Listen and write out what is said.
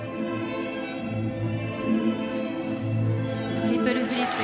トリプルフリップ。